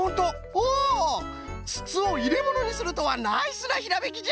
おつつをいれものにするとはナイスなひらめきじゃ！